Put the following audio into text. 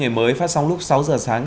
ngày mới phát sóng lúc sáu h sáng